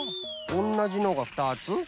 おんなじのが２つ？